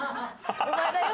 お前だよ